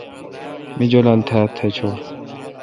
مہ جولال تھال تھ چور